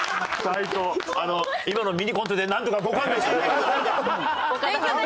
今のミニコントでなんとかご勘弁していただけませんか？